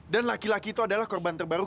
dan laki laki itu adalah korban terbaru